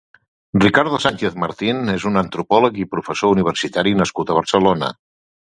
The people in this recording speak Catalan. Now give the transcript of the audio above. Ricardo Sánchez Martín és un antropòleg i professor universitari nascut a Barcelona.